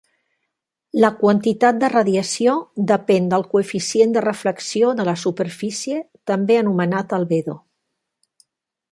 La quantitat de radiació depèn del coeficient de reflexió de la superfície també anomenat albedo.